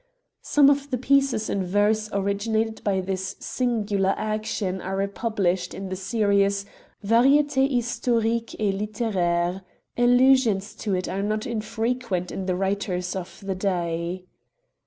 Some of the pieces in verse originated by this singular action are republished in the series Varidth Historiques et Literaires ; allusions to it are not infrequent in the writers of the day.